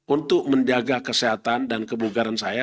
untuk menjaga kesehatan dan kebugaran saya